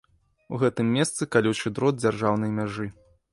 У гэтым месцы калючы дрот дзяржаўнай мяжы.